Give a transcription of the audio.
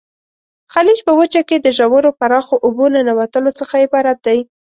خلیج په وچه کې د ژورو پراخو اوبو ننوتلو څخه عبارت دی.